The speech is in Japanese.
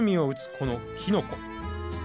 この、きのこ。